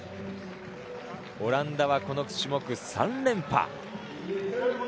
オランダは、この種目３連覇。